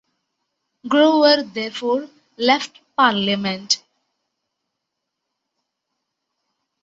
Grover therefore left Parliament.